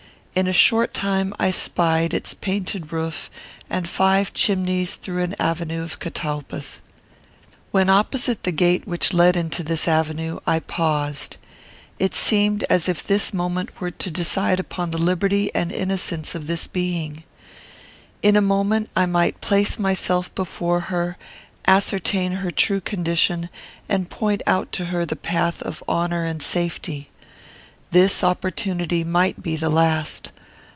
In a short time I spied its painted roof and five chimneys through an avenue of catalpas. When opposite the gate which led into this avenue, I paused. It seemed as if this moment were to decide upon the liberty and innocence of this being. In a moment I might place myself before her, ascertain her true condition, and point out to her the path of honour and safety. This opportunity might be the last.